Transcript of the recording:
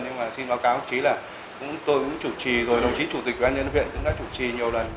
nhưng mà xin báo cáo chí là tôi cũng chủ trì rồi đồng chí chủ tịch văn nhân huyện cũng đã chủ trì nhiều lần